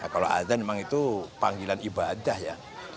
kalau adhan memang itu panggilan ibadah ya